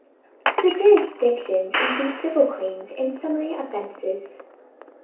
The jurisdictions include civil claims and summary offenses.